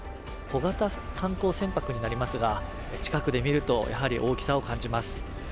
小型観光船舶になりますが、近くで見るとやはり大きさを感じます。